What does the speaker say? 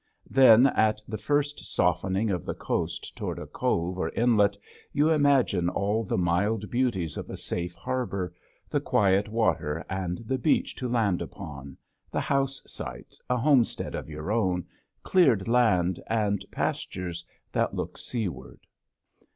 Then at the first softening of the coast toward a cove or inlet you imagine all the mild beauties of a safe harbor, the quiet water and the beach to land upon, the house site, a homestead of your own, cleared land, and pastures that look seaward.